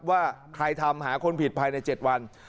ว่าใครทำหาคนผิดภายใน๗วัน